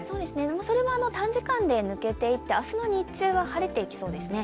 それも短時間で抜けていって明日の日中は晴れていきそうですね。